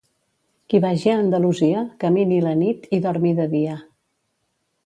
Qui vagi a Andalusia, camini la nit i dormi de dia.